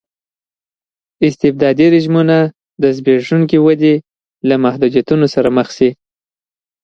استبدادي رژیمونه د زبېښونکې ودې له محدودیتونو سره مخ شي.